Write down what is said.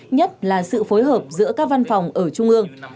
nhất là sự phối hợp giữa các văn phòng ở trung ương